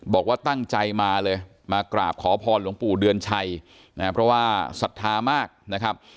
บอกว่าตั้งใจมาเลยมากราบขอพรหลวงปู่เดือนชัยนะเพราะว่าศรัทธามากนะครับ